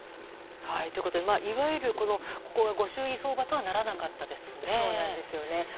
いわゆるご祝儀相場とはならなかったですね。